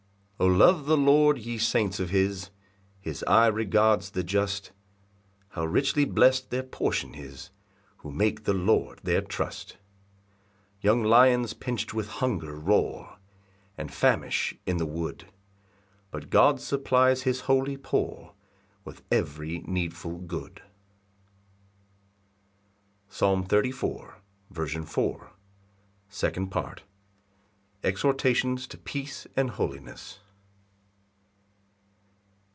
] 7 [O love the Lord, ye saints of his; His eye regards the just; How richly blest their portion is Who make the Lord their trust! 8 Young lions pinch'd with hunger roar, And famish in the wood; But God supplies his holy poor With every needful good.] Psalm 34:4. 11 22. Second Part. C. M. Exhortations to peace and Holiness.